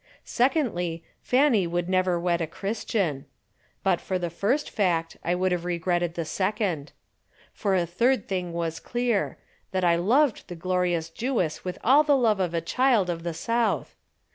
Secondly, Fanny would never wed a Christian. But for the first fact I would have regretted the second. For a third thing was clear that I loved the glorious Jewess with all the love of a child of the South.